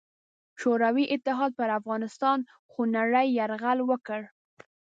شوروي اتحاد پر افغانستان خونړې یرغل وکړ.